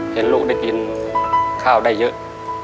เห็นลูกได้กินข้าวได้เยอะ